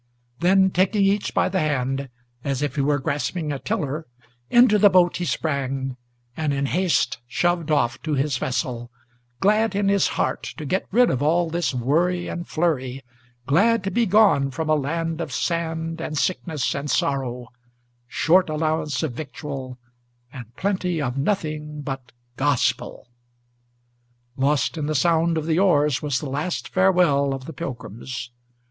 Then, taking each by the hand, as if he were grasping a tiller, Into the boat he sprang, and in haste shoved off to his vessel, Glad in his heart to get rid of all this worry and flurry, Glad to be gone from a land of sand and sickness and sorrow, Short allowance of victual, and plenty of nothing but Gospel! Lost in the sound of the oars was the last farewell of the Pilgrims.